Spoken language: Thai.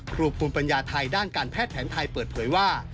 ภูมิปัญญาไทยด้านการแพทย์แผนไทยเปิดเผยว่า